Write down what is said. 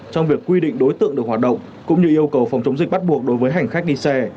trong việc quy định đối tượng được hoạt động cũng như yêu cầu phòng chống dịch bắt buộc đối với hành khách đi xe